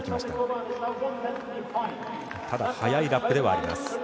ただ、速いラップではあります。